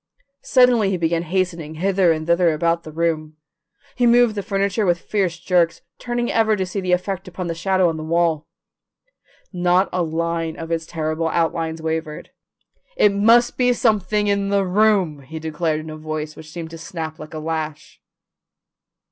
Suddenly he began hastening hither and thither about the room. He moved the furniture with fierce jerks, turning ever to see the effect upon the shadow on the wall. Not a line of its terrible outlines wavered. "It must be something in the room!" he declared in a voice which seemed to snap like a lash.